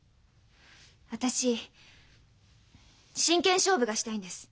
私真剣勝負がしたいんです。